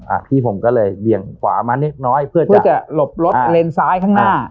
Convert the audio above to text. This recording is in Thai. อ่ะพี่ผมก็เลยเบี่ยงขวามานิดน้อยเพื่อที่จะหลบรถเลนซ้ายข้างหน้า